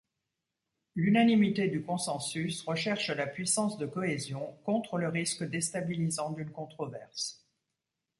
L’unanimité du consensus recherche la puissance de cohésion contre le risque déstabilisant d’une controverse.